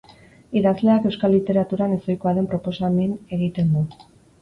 Idazleak euskal literaturan ezohikoa den proposamen egiten du.